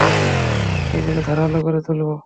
ওগুলো ধারালো করে তুলবে।